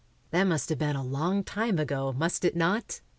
That must have been a long time ago, must it not?